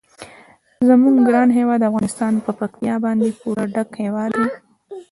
زموږ ګران هیواد افغانستان په پکتیکا باندې پوره ډک هیواد دی.